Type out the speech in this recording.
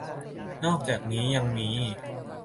นอกจากนี้ยังมี